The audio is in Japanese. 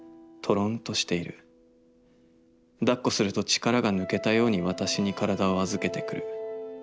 抱っこすると力が抜けたように私に体を預けてくる。